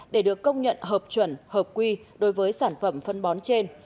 để được công nhận hợp chuẩn hợp quy đối với sản phẩm phân bón trên